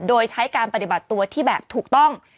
โดยใช้การปฏิบัติตัวที่แบบถูกต้อง